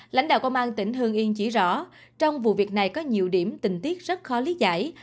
lãnh đạo công an tỉnh hương yên chỉ rõ trong vụ việc này có nhiều điểm tình tiết rất khó lý giải